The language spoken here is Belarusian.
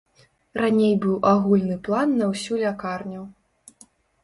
Раней быў агульны план на ўсю лякарню.